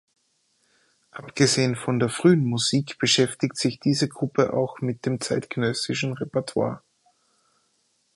Abgesehen von der frühen Musik beschäftigt sich diese Gruppe auch mit dem zeitgenössischen Repertoire.